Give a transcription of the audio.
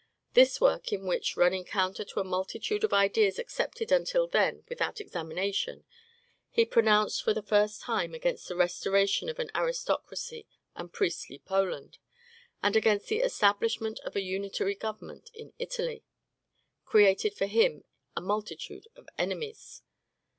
This work, in which, running counter to a multitude of ideas accepted until then without examination, he pronounced for the first time against the restoration of an aristocratic and priestly Poland, and against the establishment of a unitary government in Italy, created for him a multitude of enemies.